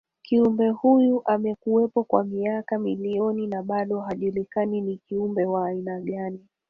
Kiumbe huyo amekuwepo kwa miaka milioni na bado hajulikani ni kiumbe wa aina gani